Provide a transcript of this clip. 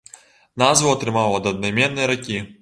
Назву атрымаў ад аднайменнай ракі.